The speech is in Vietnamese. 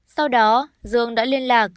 sau đó dương đã liên lạc